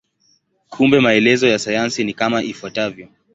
Kumbe maelezo ya sayansi ni kama ifuatavyo.